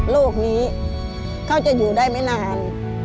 โลกนี้เขาจะอยู่ได้ไม่นาน